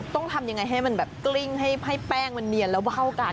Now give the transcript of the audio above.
ต้องทำยังไงให้มันแบบกลิ้งให้แป้งมันเนียนแล้วเบ้ากัน